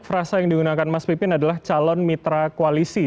frasa yang digunakan mas pipin adalah calon mitra koalisi